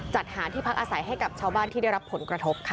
จัดหาที่พักอาศัยให้กับชาวบ้านที่ได้รับผลกระทบค่ะ